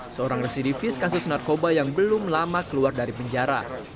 seorang residivis kasus narkoba yang belum lama keluar dari penjara